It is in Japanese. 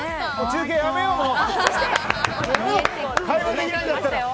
中継やめよう！